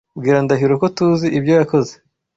Bwira Ndahiro ko TUZI ibyo yakoze.